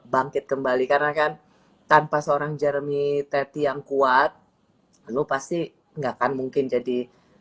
bangkit kembali karena kan tanpa seorang jeremy teti yang kuat lo pasti nggak akan mungkin jadi